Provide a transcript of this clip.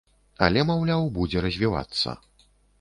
Але, маўляў, будзе развівацца.